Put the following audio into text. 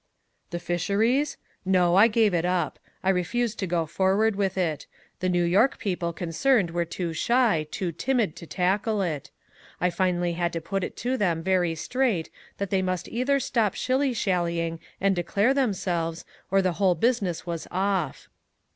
"The fisheries? No, I gave it up. I refused to go forward with it. The New York people concerned were too shy, too timid to tackle it. I finally had to put it to them very straight that they must either stop shilly shallying and declare themselves, or the whole business was off."